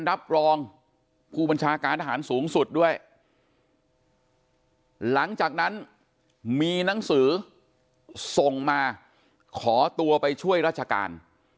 รับรองผู้บัญชาการทหารสูงสุดด้วยหลังจากนั้นมีหนังสือส่งมาขอตัวไปช่วยราชการ